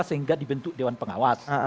sehingga dibentuk dewan pengawas